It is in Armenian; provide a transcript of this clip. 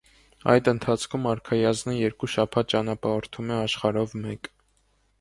Այդ ընթացքում արքայազնը երկու շաբաթ ճանապարհորդում է աշխարհով մեկ։